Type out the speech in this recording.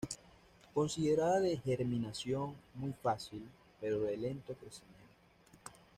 Considerada de germinación muy fácil pero de lento crecimiento.